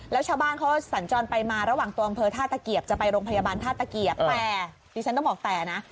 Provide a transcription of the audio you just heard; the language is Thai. แล้วชาวบ้านเขาสัญจรไปมาระหว่างตัวอำเภอท่าตะเกียบจะไปโรงพยาบาลท่าตะเกียบแต่ดิฉันต้องบอกแต่นะ